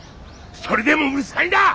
それでもうるさいんだ！